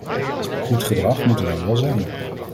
Goed gedrag moet er dan wel zijn.